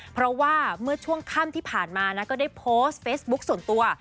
เพราะว่าเมื่อช่วงค่ำที่ผ่านมานะก็ได้โพสต์เฟซบุ๊คส่วนตัว